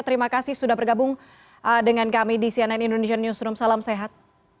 terima kasih sudah bergabung dengan kami di cnn indonesian newsroom salam sehat